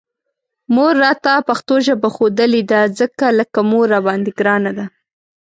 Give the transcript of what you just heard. مور راته پښتو ژبه ښودلې ده، ځکه لکه مور راباندې ګرانه ده